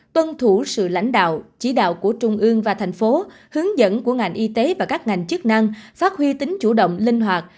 tuân thủ sự lãnh đạo chỉ đạo của trung ương và thành phố hướng dẫn của ngành y tế và các ngành chức năng phát huy tính chủ động linh hoạt